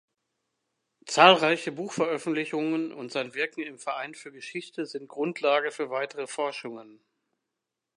Zahlreiche Buchveröffentlichungen und sein Wirken im Verein für Geschichte sind Grundlage für weitere Forschungen.